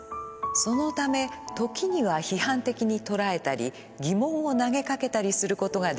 そのため時には批判的に捉えたり疑問を投げかけたりすることができるのです。